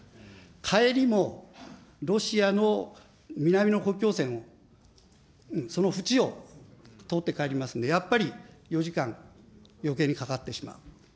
帰りもロシアの南の国境線を、その縁を通って帰りますので、やっぱり４時間よけいにかかってしまう。